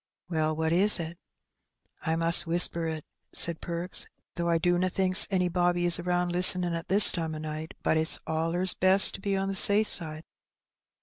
"WeU, what is it?" "I must whisper it," said Perks, '^ though I dunna thinks any bobbies is around listenin' at this time o' night, but if s allers best to be on the safe side."